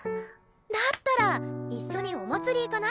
だったら一緒にお祭り行かない？